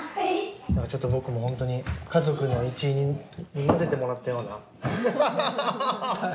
ちょっと僕もホントに家族の一員に混ぜてもらったような。